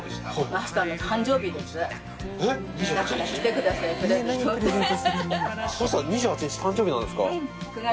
マスター２８日誕生日なんですか？